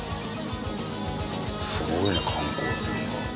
すごいな観光船が。